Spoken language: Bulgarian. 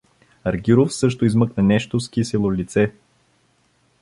Аргиров също измънка нещо с кисело лице.